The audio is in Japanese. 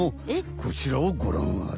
こちらをごらんあれ！